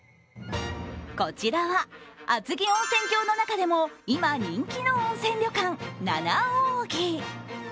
こちらはあつぎ温泉郷の中でも今、人気の温泉旅館、七扇。